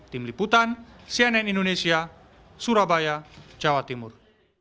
tim liputan cnn indonesia surabaya jawa timur